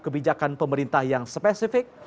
kebijakan pemerintah yang spesifik